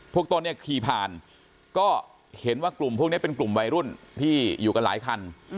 ตนเนี่ยขี่ผ่านก็เห็นว่ากลุ่มพวกนี้เป็นกลุ่มวัยรุ่นที่อยู่กันหลายคัน